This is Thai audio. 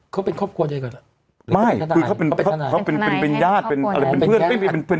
เขาเป็นครอบครัวใยก่อนไม่คือเขาเป็นเป็นเป็นเป็นเป็นเป็นเป็น